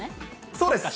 そうです。